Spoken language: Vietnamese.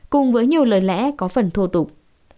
cùng với nhiều lời lẽ có phần thô tục